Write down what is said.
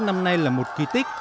năm nay là một kỳ tích